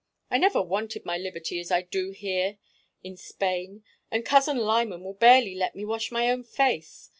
I've never wanted my liberty as I do here in Spain, and Cousin Lyman will barely let me wash my own face.